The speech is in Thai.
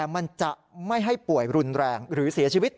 มันจะไม่ให้ป่วยรุนแรงหรือเสียชีวิต